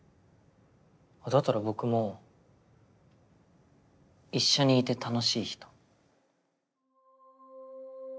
だったら僕も一緒にいて楽しい人。